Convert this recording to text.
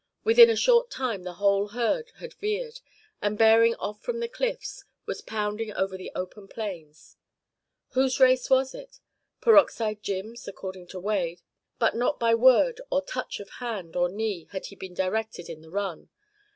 Within a short time the whole herd had veered, and, bearing off from the cliffs, was pounding over the open plains. Whose race was it? Peroxide Jim's, according to Wade, for not by word or by touch of hand or knee had he been directed in the run.